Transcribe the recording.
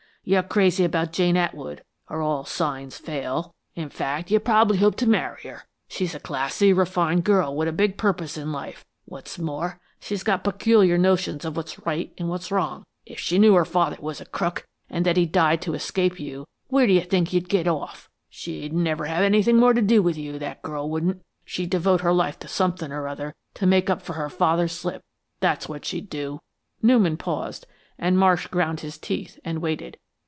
You're crazy about Jane Atwood, or all signs fail. In fact, you probably hope to marry her. She's a classy, refined girl, with a big purpose in life. What's more, she's got peculiar notions of what's right and what's wrong. If she knew her father was a crook, and that he died to escape you, where do you think you'd get off? She'd never have anything, more to do with you, that girl wouldn't. She'd devote her life to somethin' or other to make up for her father's slip that's what she'd do." Newman paused, and Marsh ground his teeth and waited.